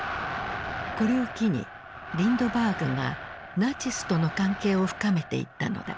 これを機にリンドバーグがナチスとの関係を深めていったのだ。